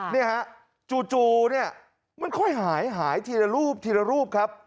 เนี่ยฮะจู่เนี่ยมันค่อยหายหายทีละรูปทีละรูปครับ